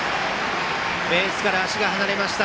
ベースから足が離れました。